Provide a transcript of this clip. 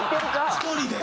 １人で。